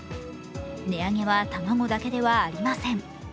値上げは卵だけではありません。